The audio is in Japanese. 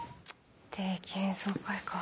定期演奏会か。